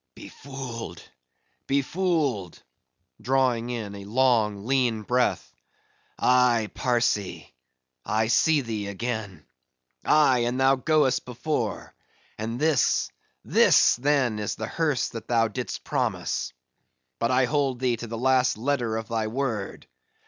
"Befooled, befooled!"—drawing in a long lean breath—"Aye, Parsee! I see thee again.—Aye, and thou goest before; and this, this then is the hearse that thou didst promise. But I hold thee to the last letter of thy word.